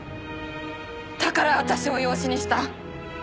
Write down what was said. だから私を養子にした。